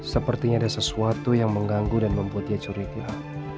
sepertinya ada sesuatu yang mengganggu dan membuat dia curiga